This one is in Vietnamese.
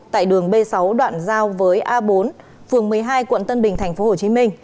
tại đường b sáu đoạn giao với a bốn phường một mươi hai quận tân bình tp hcm